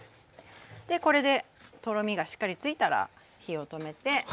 でこれでとろみがしっかりついたら火を止めて。